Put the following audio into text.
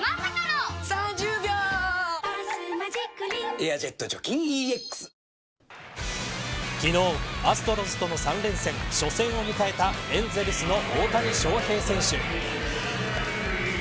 「エアジェット除菌ＥＸ」昨日アストロズとの３連戦初戦を迎えたエンゼルスの大谷翔平選手。